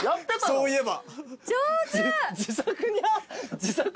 そういえば。